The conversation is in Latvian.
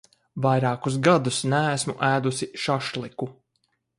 Vairākus gadus neesmu ēdusi šašliku.